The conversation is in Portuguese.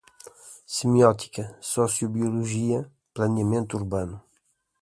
semiótica, sociobiologia, planeamento urbano